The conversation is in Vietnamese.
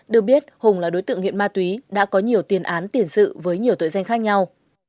được biết hùng là đối tượng nghiện ma túy đã có nhiều tiền án tiền sự với nhiều tội danh khác nhau